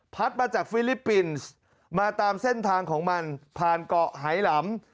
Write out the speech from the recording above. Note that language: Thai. มาจากฟิลิปปินส์มาตามเส้นทางของมันผ่านเกาะไหลำ